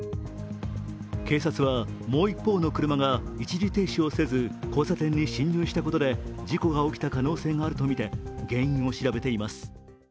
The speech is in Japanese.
警察は、もう一方の車が一時停止をせず交差点に進入したことで事故が起きた可能性があるとみて原因を調べています。